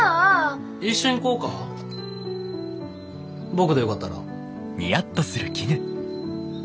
僕でよかったら。